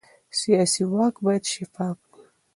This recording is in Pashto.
سیاسي واک باید شفاف وي